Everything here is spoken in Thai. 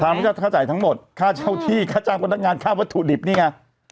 จับท่าสะไหกษันค่าจ่ายทั้งหมดค่าเช่าที่ค่าจ้างพนักงานค่าวัตถุดิบนี่ค่ะ